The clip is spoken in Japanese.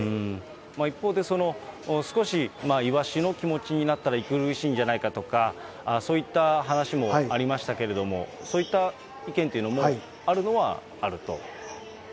一方で、少しイワシの気持ちになったら息苦しいんじゃないかとか、そういった話もありましたけれども、そういった意見というのも、あるのはあると。